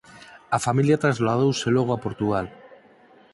A familia trasladouse logo a Portugal.